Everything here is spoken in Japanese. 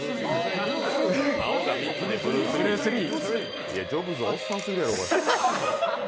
青が３つでブルース・リー。